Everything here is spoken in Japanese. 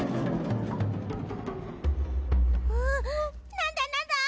なんだなんだ